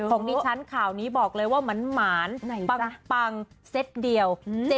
ของดิฉันข่าวนี้บอกเลยว่าหมานปังเซ็ตเดียว